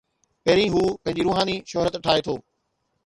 پهرين هو پنهنجي روحاني شهرت ٺاهي ٿو.